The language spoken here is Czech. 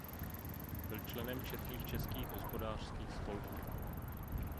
Byl členem četných českých hospodářských spolků.